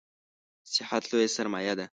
صحت لویه سرمایه ده